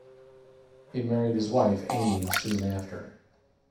He married his wife, Amy, soon after.